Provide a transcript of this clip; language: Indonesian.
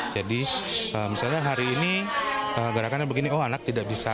jadi misalnya hari ini gerakannya begini oh anak tidak bisa